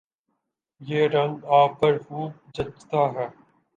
یہ رنگ آپ پر خوب جچتا ہے